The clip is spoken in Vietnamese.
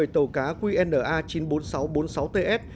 tàu cá qna chín mươi bốn nghìn sáu trăm bốn mươi sáu ts